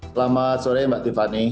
selamat sore mbak tiffany